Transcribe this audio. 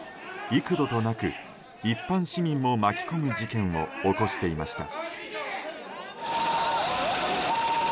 幾度となく一般市民も巻き込む事件を起こしていました。